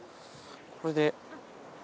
これで。